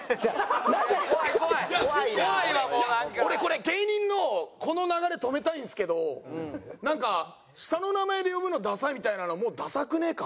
俺これ芸人のこの流れ止めたいんですけどなんか下の名前で呼ぶのダサいみたいなのはもうダサくねえか？